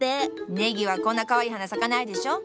ネギはこんなかわいい花咲かないでしょ。